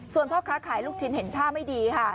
ส่วนพ่อค้าขายลูกชิ้นเห็นท่าไม่ดีค่ะ